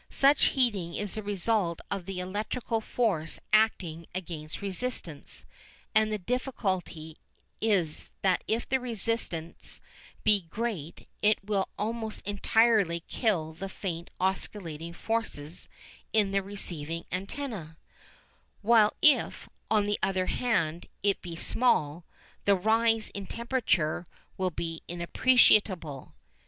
Such heating is the result of the electrical force acting against resistance, and the difficulty is that if the resistance be great it will almost entirely kill the faint oscillating forces in the receiving antenna, while if, on the other hand, it be small, the rise in temperature will be inappreciable.